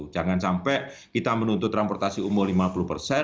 jangan sampai kita menuntut transportasi umum lima puluh persen